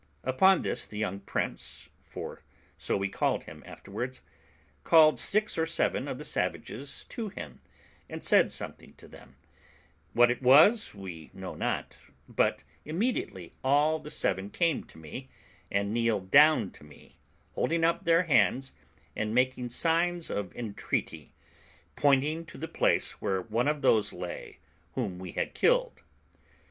Upon this the young prince (for so we called him afterwards) called six or seven of the savages to him, and said something to them; what it was we know not, but immediately all the seven came to me, and kneeled down to me, holding up their hands, and making signs of entreaty, pointing to the place where one of those lay whom we had killed.